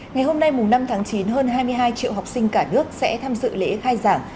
ngày hôm nay năm tháng chín hơn hai mươi hai triệu học sinh cả nước sẽ tham dự lễ khai giảng